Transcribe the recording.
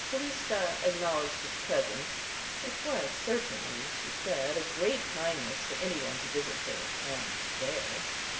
Callista acknowledged his presence; it was certainly, she said, a great kindness for any one to visit her, and there.